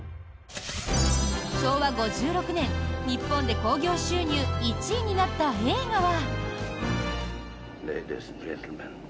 昭和５６年、日本で興行収入１位になった映画は。